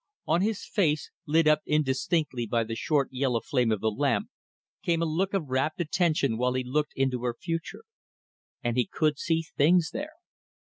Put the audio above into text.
On his face, lit up indistinctly by the short yellow flame of the lamp, came a look of rapt attention while he looked into her future. And he could see things there!